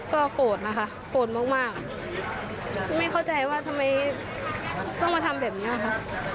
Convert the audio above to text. ก็โกรธนะคะโกรธมากไม่เข้าใจว่าทำไมต้องมาทำแบบนี้ค่ะ